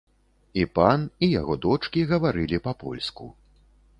І пан, і яго дочкі гаварылі па-польску.